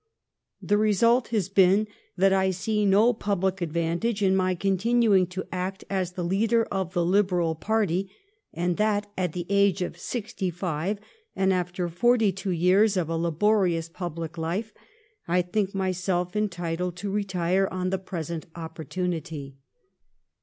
The result has been that I see no pubUc advantage in my continuing to act as the leader of the Liberal party, and that, at the age of sixty five, and after forty two years of a laborious public life, I think myself entitled to retire on the present opportunity.